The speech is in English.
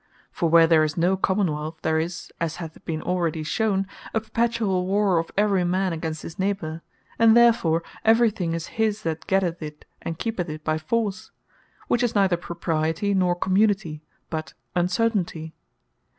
For where there is no Common wealth, there is, (as hath been already shewn) a perpetuall warre of every man against his neighbour; And therefore every thing is his that getteth it, and keepeth it by force; which is neither Propriety nor Community; but Uncertainty.